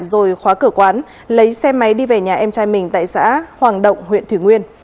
rồi khóa cửa quán lấy xe máy đi về nhà em trai mình tại xã hoàng động huyện thủy nguyên